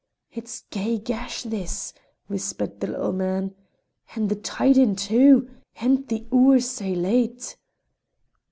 "It's gey gash this!" whispered the little man. "And the tide in, too! And the oor sae late!"